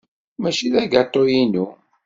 Mačči d agatu-inu.